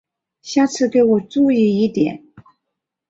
下次给我注意一点！